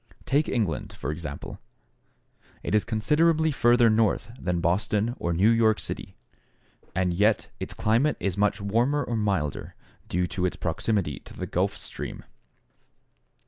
Take England, for example: it is considerably further north than Boston or New York City, and yet its climate is much warmer or milder, due to its proximity to the Gulf Stream.